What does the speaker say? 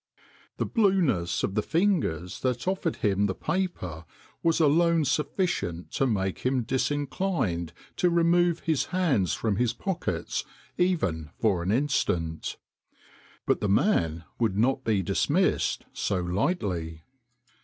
The blueness of the fingers that offered him the paper was alone sufficient to make him dis inclined to remove his hands from his pockets even for an instant. But the man would not be dismissed so lightly.